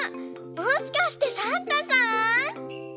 もしかしてサンタさん？